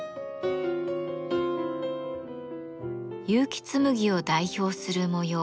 結城紬を代表する模様